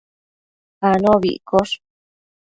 anobi iccosh